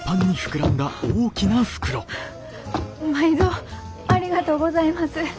ハハ毎度ありがとうございます。